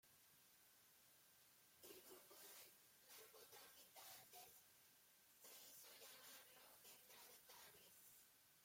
El grupo de narcotraficantes se hizo llamar "Los Extraditables".